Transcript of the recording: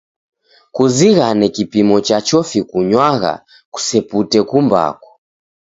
Kuzighane kipimo cha chofi kunywagha, kusepute kumbaku.